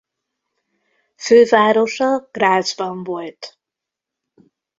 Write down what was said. Fővárosa Grazban volt.